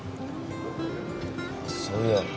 あっそういや。